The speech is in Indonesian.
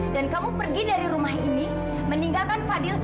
dan kamu pergi dari rumah ini meninggalkan fadl